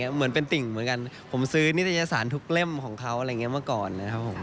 เหมือนเป็นติ่งเหมือนกันผมซื้อนิตยสารทุกเล่มของเขาอะไรอย่างนี้มาก่อนนะครับผม